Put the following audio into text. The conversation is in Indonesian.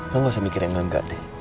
lo gak usah mikir yang enggak deh